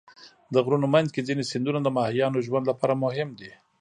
د غرونو منځ کې ځینې سیندونه د ماهیانو ژوند لپاره مهم دي.